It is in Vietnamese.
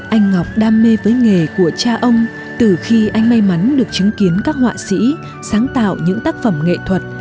anh ngọc đam mê với nghề của cha ông từ khi anh may mắn được chứng kiến các họa sĩ sáng tạo những tác phẩm nghệ thuật